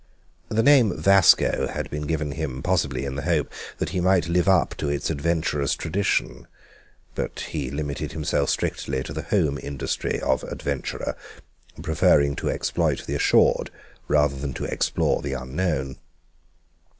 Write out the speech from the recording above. The name Vasco had been given him possibly in the hope that he might live up to its adventurous tradition, but he limited himself strictly to the home industry of adventurer, preferring to exploit the assured rather than to explore the unknown.